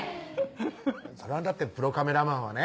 そらだってプロカメラマンはね